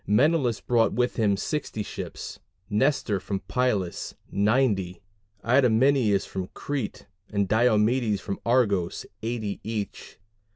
Menelaus brought with him 60 ships, Nestor from Pylus, 90, Idomeneus from Crete and Diomedes from Argos, 80 each.